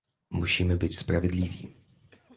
Musimy być sprawiedliwi